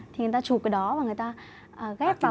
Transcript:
thì người ta chụp cái đó và người ta ghép vào